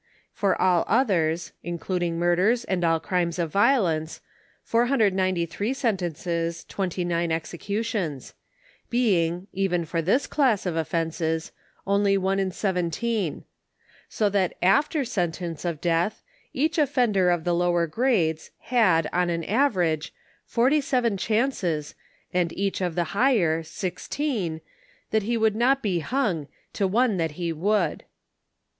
For all others, in cluding murders and all crimes of violence, 493 sentences, 29 exe cutions ; being, even for this class of offenses, only one in seven teen. So that after sentence of death, each offender of the lower grades, had, on an average, 47 chances, and each of the higher , six teen, that he would not be hung, to one that he would.